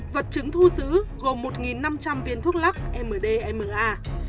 vật chứng thu giữ gồm một năm trăm linh viên thuốc lắc mdma